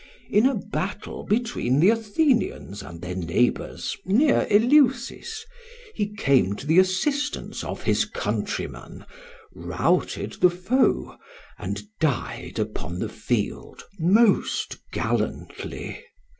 In a battle between the Athenians and their neighbours near Eleusis, he came to the assistance of his countrymen, routed the foe, and died upon the field most gallantly.